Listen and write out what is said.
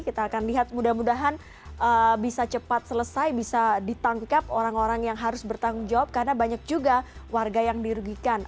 kita akan lihat mudah mudahan bisa cepat selesai bisa ditangkap orang orang yang harus bertanggung jawab karena banyak juga warga yang dirugikan